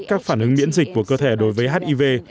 các phản ứng miễn dịch của cơ thể đối với hiv